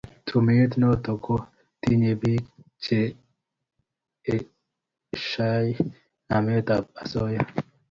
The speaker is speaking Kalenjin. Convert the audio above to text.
Tumeit notok ko tinye piik che eshoiy namet ab asoya